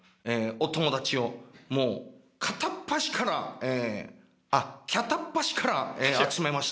お友達をもう片っ端からえあっきゃたっぱしからえ集めました。